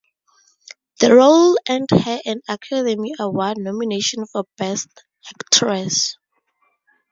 The role earned her an Academy Award nomination for Best Actress.